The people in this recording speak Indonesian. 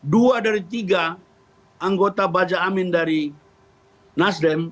dua dari tiga anggota baja amin dari nasdem